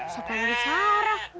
siapa yang bicara